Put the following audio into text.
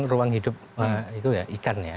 ruang hidup itu ya ikan ya